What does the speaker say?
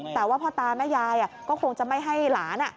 แต่ว่าพ่อตาแม่ยายก็คงจะไม่ให้หลาน